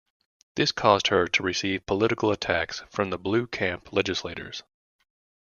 This caused her to receive political attacks from the blue-camp legislators.